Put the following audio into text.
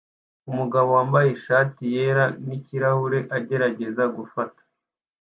Umugabo wambaye ishati yera nikirahure agerageza gufata